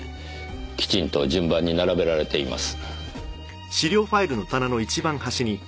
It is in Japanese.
きちんと順番に並べられています。